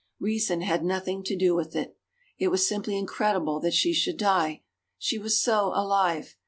Reason had nothing to do with it. It was simply incredible that she should die. She was so alive.